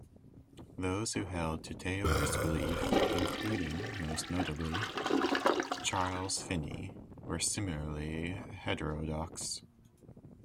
Those who held to Taylor's beliefs, including, most notably, Charles Finney, were similarly heterodox.